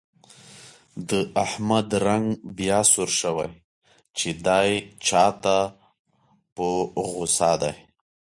د احمد رنګ بیا سور شوی، چې دی چا ته په غوسه دی.